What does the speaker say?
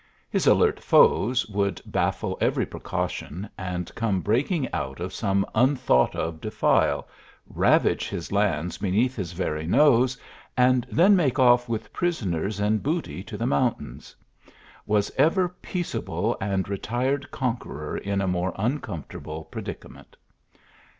His alert foes would baffle every precaution, and come breaking out of some unthought of defile, ravage his lands beneath his very nose, and then make off with prisoners and booty to the mountains. Was ever peaceable and retired conqueror in a more uncomfortable predica ment